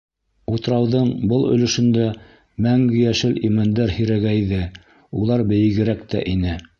Утрауҙың был өлөшөндә мәңге йәшел имәндәр һирәгәйҙе, улар бейегерәк тә ине.